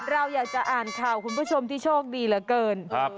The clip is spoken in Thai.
เราอยากจะอ่านข่าวคุณผู้ชมที่โชคดีเหลือเกินครับ